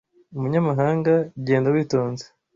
Umunyamahanga, genda witonze!